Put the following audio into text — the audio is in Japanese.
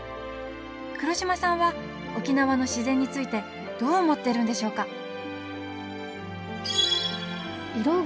黒島さんは沖縄の自然についてどう思ってるんでしょうか